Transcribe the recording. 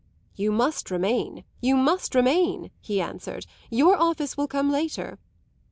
'You must remain, you must remain,' he answered; 'your office will come later.